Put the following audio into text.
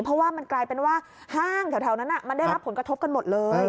เพราะว่ามันกลายเป็นว่าห้างแถวนั้นมันได้รับผลกระทบกันหมดเลย